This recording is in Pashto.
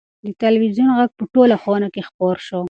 د تلویزون غږ په ټوله خونه کې خپور و.